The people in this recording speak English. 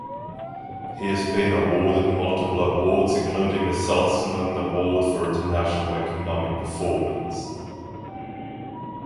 He has been awarded multiple awards including the Salzman Award for International Economic Performance.